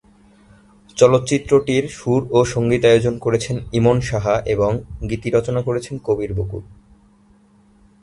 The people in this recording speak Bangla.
চলচ্চিত্রটির সুর ও সঙ্গীতায়োজন করেছেন ইমন সাহা এবং গীত রচনা করেছেন কবির বকুল।